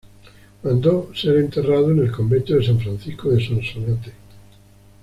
Mandó ser enterrado en el convento de San Francisco de Sonsonate.